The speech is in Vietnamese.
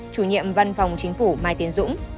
chủ nhiệm văn phòng chính phủ mai tiến dũng